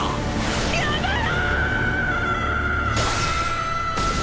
やめろ！